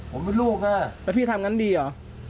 ผมเป็นลูกค่ะแล้วพี่ทำงั้นดีเหรอ